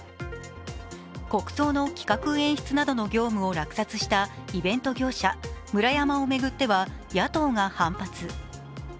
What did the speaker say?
国葬の企画・演出などの業務を落札したイベント業者・ムラヤマを巡っては、野党が反発。